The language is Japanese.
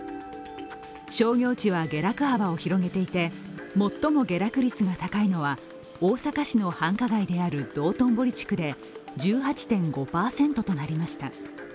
商業地は下落幅を広げていて、最も下落率が高いのは大阪市の繁華街である、道頓堀地区で１８．５％となりました。